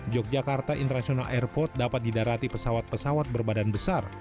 yogyakarta international airport dapat didarati pesawat pesawat berbadan besar